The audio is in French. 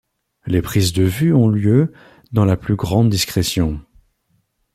Les prises de vues ont lieu dans la plus grande discrétion.